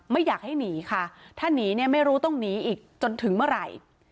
ไม่อยากให้หนีค่ะถ้าหนีเนี่ยไม่รู้ต้องหนีอีกจนถึงเมื่อไหร่